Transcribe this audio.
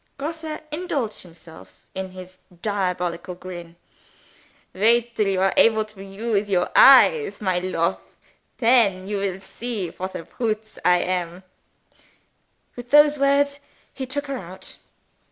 Grosse indulged himself in his diabolical grin. "Wait till you are able to use your eyes, my lofe. Then you will see what a brutes I am!" With those words he took her out.